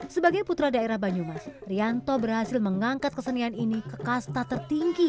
sebagai putra daerah banyumas rianto berhasil mengangkat kesenian ini ke kasta tertinggi